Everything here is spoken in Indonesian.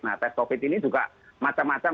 nah tes covid ini juga macam macam